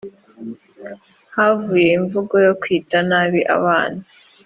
havuye imvugo yo kwita nabi abana